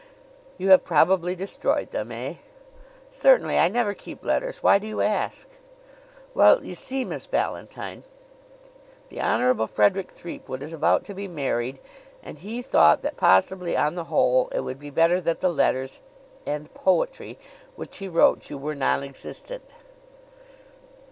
"You have probably destroyed them eh?" "Certainly! I never keep letters. Why do you ask?" "Well, you see, Miss Valentine, the Honorable Frederick Threepwood is about to be married; and he thought that possibly, on the whole, it would be better that the letters and poetry which he wrote you were nonexistent."